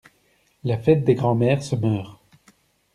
La fête des grand-mères se meurt.